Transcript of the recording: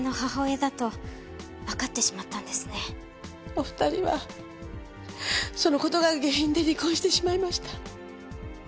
お二人はその事が原因で離婚してしまいました。